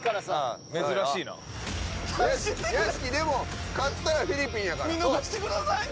珍しいな屋敷でも勝ったらフィリピンやから見逃してください